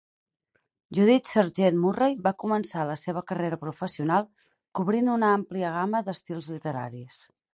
Judith Sargent Murray va començar la seva carrera professional cobrint una àmplia gamma d'estils literaris.